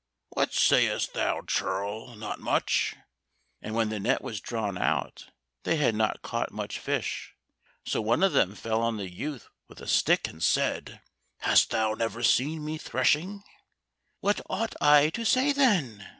"What sayst thou churl, 'not much?'" And when the net was drawn out they had not caught much fish. So one of them fell on the youth with a stick and said, "Hast thou never seen me threshing?" "What ought I to say, then?"